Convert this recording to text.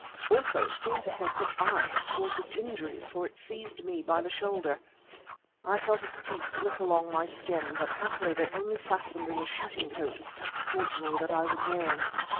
Also it seemed to think that I had caused its injuries, for it seized me by the shoulder. I felt its teeth slip along my skin, but happily they only fastened in the shooting coat of tough corduroy that I was wearing.